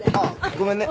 ごめんね。